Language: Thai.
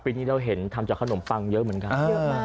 ปีนี้เราเห็นทำจากขนมปังเยอะเหมือนกันเยอะมาก